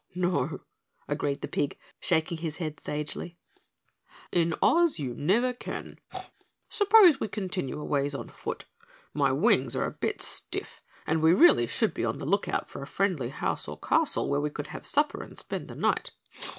"No," agreed the pig, shaking his head sagely. "In Oz, you never can. Suppose we continue a ways on foot? My wings are a bit stiff and we really should be on the lookout for a friendly house or castle where we could have supper and spend the night.